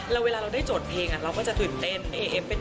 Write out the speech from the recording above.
ไปไหน